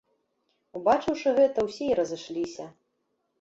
Убачыўшы гэта, усе і разышліся.